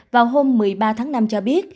vào hôm một mươi ba tháng năm cho biết